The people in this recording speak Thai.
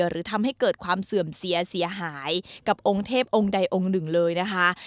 หรือทำให้เกิดความเสื่อมเสียเสียหายกับองค์เทพองค์ใดองค์หนึ่งเลยนะคะ